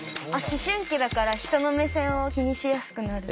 思春期だから人の目線を気にしやすくなる。